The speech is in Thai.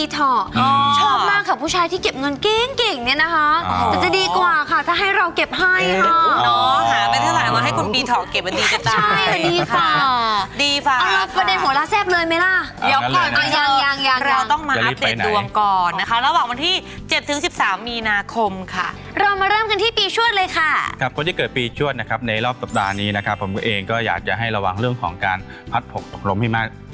ถ้ายังงั้นตอนนี้เดี๋ยวเราไปพบกับพี่หมอโจ้เลยนะคะ